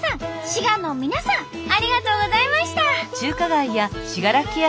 滋賀の皆さんありがとうございました。